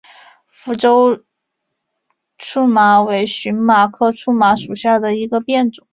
福州苎麻为荨麻科苎麻属下的一个变种。